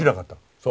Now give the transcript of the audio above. そう。